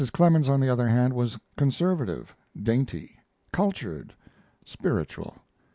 Clemens, on the other hand, was conservative, dainty, cultured, spiritual.